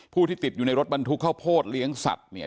ที่ติดอยู่ในรถบรรทุกข้าวโพดเลี้ยงสัตว์เนี่ย